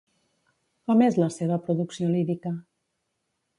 Com és la seva producció lírica?